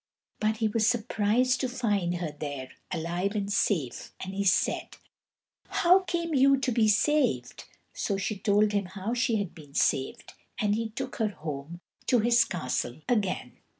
But he was surprised to find her there alive and safe, and he said: "How came you to be saved?" So she told him how she had been saved, and he took her home to his castle again.